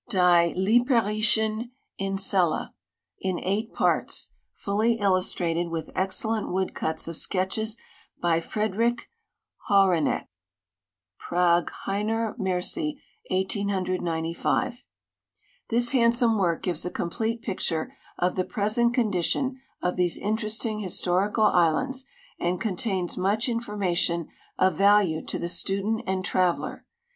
Die Liparisclien Lmda. In eight Parts, fully illustrated with excellent wood cuts of Sket(dies by F redricb Hawranek. Prag. Ileinr. Mercy, 1895. This handsome work gives a compk?te ])icture of the present condition of these interesting historical islands and contains much information of value to the student and traveler.